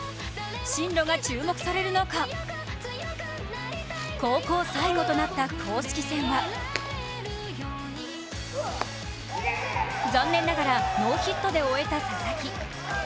進路が注目される中、高校最後となった公式戦は残念ながらノーヒットで終えた佐々木。